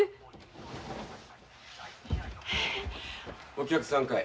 お客さんかい。